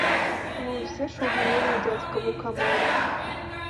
Мы ўсе шуганулі ў дзядзькаву камору.